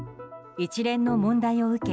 一連の問題を受け